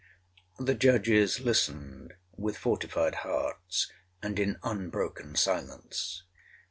'The judges listened with fortified hearts, and in unbroken silence.